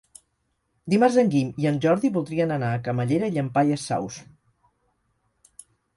Dimarts en Guim i en Jordi voldrien anar a Camallera i Llampaies Saus.